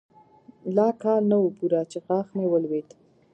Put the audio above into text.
لا کال نه و پوره چې غاښ مې ولوېد.